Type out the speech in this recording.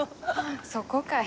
そこかい。